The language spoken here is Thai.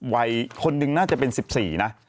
วัยคนนึงน่าจะเป็น๑๔นะ